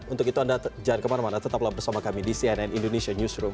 untuk itu anda jangan kemana mana tetaplah bersama kami di cnn indonesia newsroom